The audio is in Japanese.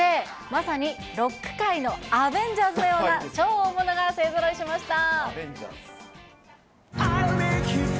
まさにロック界のアベンジャーズのような超大物が勢ぞろいしました。